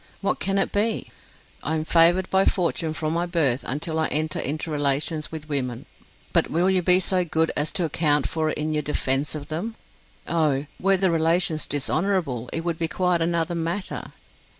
What can it be? I am favoured by fortune from my birth until I enter into relations with women. But will you be so good as to account for it in your defence of them? Oh! were the relations dishonourable, it would be quite another matter.